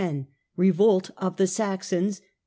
vREVOLT OF THE SAXONS.